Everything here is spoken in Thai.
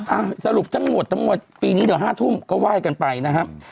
อ่ะสรุปทั้งหมดทั้งหมดปีนี้เดี๋ยว๕ทุ่มก็ไหว้กันไปนะครับ